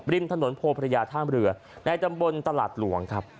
ริมถนนโพพระยาท่ามเรือในตำบลตลาดหลวงครับ